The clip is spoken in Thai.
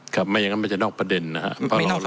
ครับไม่อย่างงั้นมันจะนอกประเด็นน้ำครับ